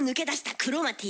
クロマティ！